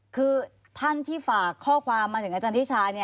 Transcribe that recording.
คือท่านที่ฝากข้อความมาถึงอาจารย์ทิชา